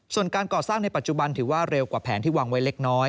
ส่วนการก่อสร้างในปัจจุบันถือว่าเร็วกว่าแผนที่วางไว้เล็กน้อย